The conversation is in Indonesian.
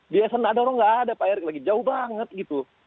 di esen adaro nggak ada pak erick lagi jauh banget gitu